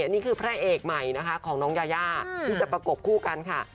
นี่คือพระเอกใหม่นะคะของน้องยายาที่จะประกบคู่กันค่ะ